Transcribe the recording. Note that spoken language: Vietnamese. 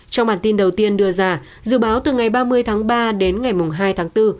trong bản tin đầu tiên đưa ra dự báo từ ngày ba mươi tháng ba đến ngày hai tháng bốn